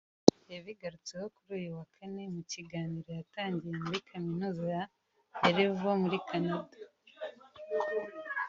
yabigarutseho kuri uyu wa Kane mu kiganiro yatangiye muri Kaminuza ya Laval muri Canada